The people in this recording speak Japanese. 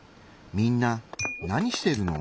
みんな何してるの？